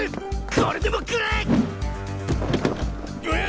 これでもくらえっ！